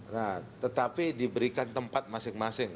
nah tetapi diberikan tempat masing masing